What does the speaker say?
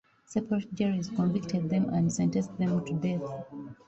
Separate juries convicted them and sentenced them to death.